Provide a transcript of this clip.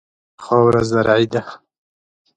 خاوره زرعي ده.